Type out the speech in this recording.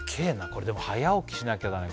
これでも早起きしなきゃだね